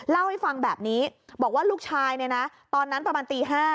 เล่าให้ฟังแบบนี้บอกว่าลูกชายเนี่ยนะตอนนั้นประมาณตี๕